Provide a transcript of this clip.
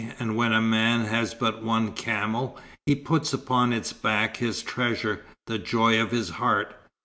And when a man has but one camel, he puts upon its back his treasure, the joy of his heart.